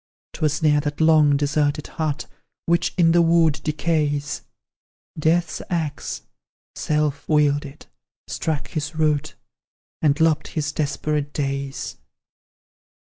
'Twas near that long deserted hut, Which in the wood decays, Death's axe, self wielded, struck his root, And lopped his desperate days.